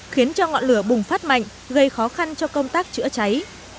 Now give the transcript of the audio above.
khiến cho ngọn lửa bùng phát mạnh gây khó khăn cho công tác chữa cháy